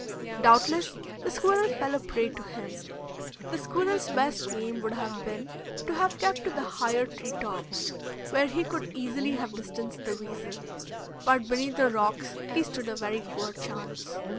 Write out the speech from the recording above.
Doubtless the squirrel fell a prey to him. The squirrel's best game would have been to have kept to the higher tree tops, where he could easily have distanced the weasel. But beneath the rocks he stood a very poor chance.